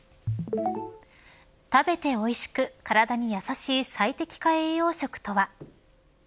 食べておいしく、体に優しい最適化栄養食とは。